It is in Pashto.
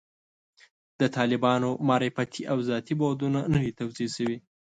د طالبانو معرفتي او ذاتي بعدونه نه دي توضیح شوي.